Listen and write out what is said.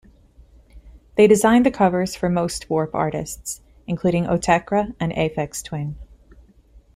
They designed the covers for most Warp artists, including Autechre and Aphex Twin.